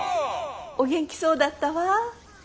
お元気そうだったわ。